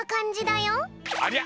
ありゃ。